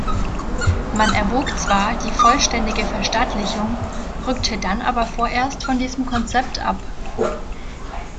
Man erwog zwar die vollständige Verstaatlichung, rückte dann aber vorerst von diesem Konzept ab.